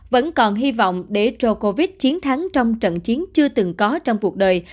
vẫn còn hy vọng để joe covid chiến thắng trong trận chiến chưa từng có trong cuộc đời